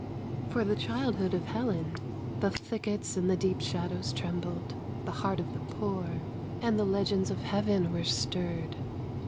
For the childhood of Helen the thickets and the deep shadows trembled, the heart of the poor and the legends of heaven were stirred.